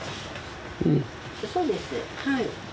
そうですはい。